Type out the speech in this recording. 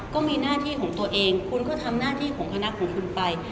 ก็มีหน้าที่ของตัวเองคุณก็ทำหน้าที่ของคณะของคุณไป